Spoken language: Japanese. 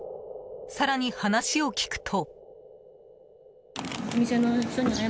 更に話を聞くと。